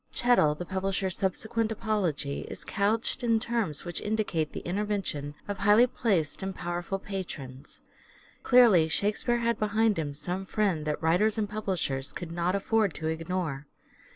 Chettle the publisher's subsequent apology is couched in terms which indicate the intervention of highly placed and powerful patrons. Clearly Shakspere had behind him some friend that writers and publishers could not afford to ignore.